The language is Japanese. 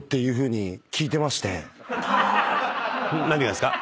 何がですか？